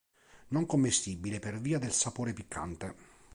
Non commestibile per via del sapore piccante.